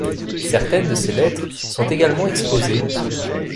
Certaines de ces lettres sont également exposées.